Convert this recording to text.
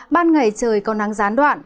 ban ngày trời có nắng gián đoạn